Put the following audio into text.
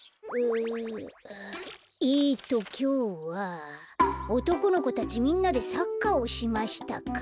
えっときょうは「おとこの子たちみんなでサッカーをしました」か。